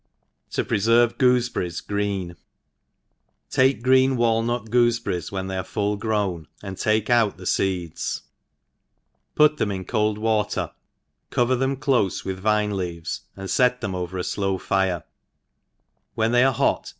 ^0 preferve Gooseberries green. TAKE green walnut jgopfeberrics when they are full grown, and takeout the feeds, put then) in cold water, cover them clofe with vine leaves, and fet them over a flow fire j when they are hot tak« ENGLISH HOUSE.KEEPER.